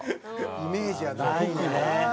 イメージはないんやな。